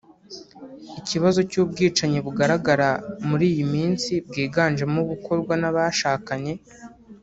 ikibazo cy’ubwicanyi bugaragara muri iyi minsi bwiganjemo ubukorwa n’abashakanye